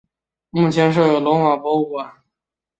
目前设有罗马博物馆。